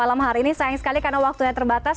malam hari ini sayang sekali karena waktunya terbatas